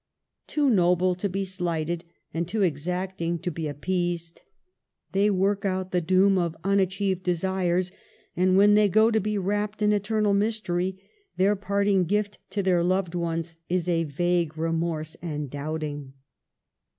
Too noble to be slighted, and too exacting to be appeased, they work out the doom of un achieved desires ; and when they go to be wrapt in eternal mystery, their parting gift to their loved ones is a vague remorse and doubting.